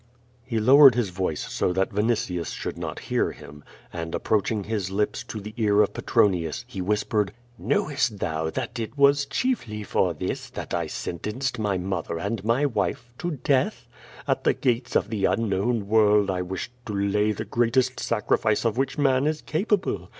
Tie lowered his voice so that Vinitius should not hear him, and, approaching his lips to the ear of Pctronius, he whis pered: "Knowest thou that it was chiefly for this that I sentenced my mother and my wife to death? At the gates of the un known world I wished to lay the greatest sacrifice of which man is capable.